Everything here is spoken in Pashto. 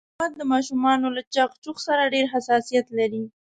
احمد د ماشومانو له چغ چوغ سره ډېر حساسیت لري.